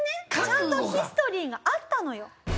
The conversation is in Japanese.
ちゃんとヒストリーがあったのよ。